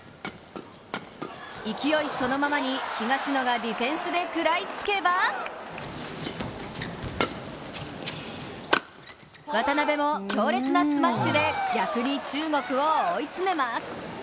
勢いそのままに東野がディフェンスで食らいつけば渡辺も強烈なスマッシュで逆に中国を追い詰めます。